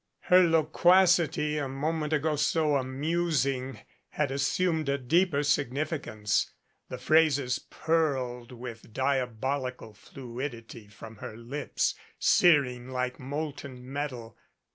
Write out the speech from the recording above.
Her loquacity, a moment ago so amusing, had assumed a deeper significance. The phrases purled with diabolical fluidity from her lips, searing like molten metal.